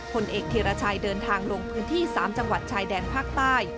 ผลเอกธีรชัยเดินทางลงพื้นที่๓จังหวัดชายแดนภาคใต้